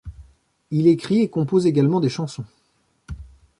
Il écrit et compose également des chansons.